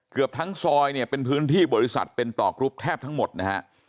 เกือบทั้งซอยเนี่ยเป็นพื้นที่บริษัทเป็นต่อกรุ๊ปแทบทั้งหมดนะฮะ